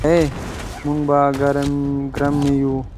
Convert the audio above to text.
موږ به ګرم نه یو.